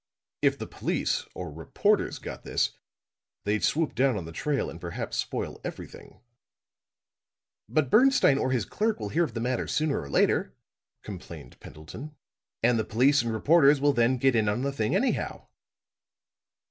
If the police or reporters got this, they'd swoop down on the trail and perhaps spoil everything!" "But Bernstine or his clerk will hear of the matter sooner or later," complained Pendleton. "And the police and reporters will then get in on the thing anyhow."